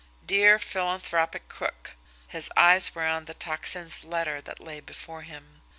"Dear Philanthropic Crook" his eyes were on the Tocsin's letter that lay before him.